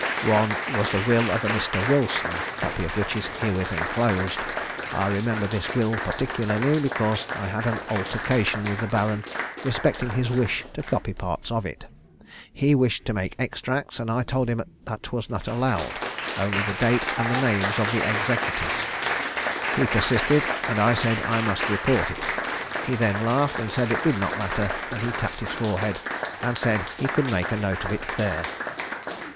One was the will of a Mr. Wilson, copy of which is herewith enclosed. I remember this will particularly, because I had an altercation with the Baron respecting his wish to copy parts of it. He wished to make extracts, and I told him it was not allowed; only the date and the names of the executors. He persisted, and I said I must report it. He then laughed and said it did not matter, and he tapped his forehead and said he could make a note of it there.